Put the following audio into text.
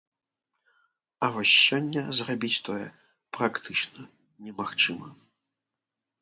А вось сёння зрабіць тое практычна не магчыма.